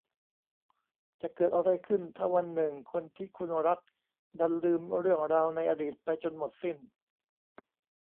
จะเกิดอะไรขึ้นถ้าวันหนึ่งคนที่คุณรักดันลืมเรื่องราวในอดีตไปจนหมดสิ้น